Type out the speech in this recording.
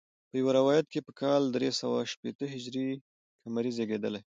په یو روایت په کال درې سوه شپېته هجري قمري زیږېدلی.